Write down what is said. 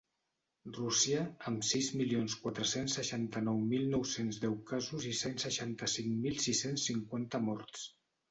Rússia, amb sis milions quatre-cents seixanta-nou mil nou-cents deu casos i cent seixanta-cinc mil sis-cents cinquanta morts.